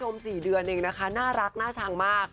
ม๔เดือนเองนะคะน่ารักน่าชังมาก